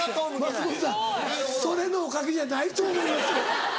松本さんそれのおかげじゃないと思いますよ。